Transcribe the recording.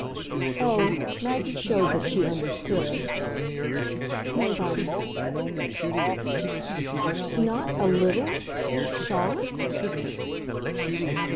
Oh, Maggie showed that she understood. "Nobody." "Not a little Charlotte?"